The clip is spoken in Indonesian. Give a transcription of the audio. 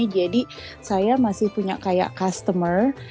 jadi saya masih punya kayak customer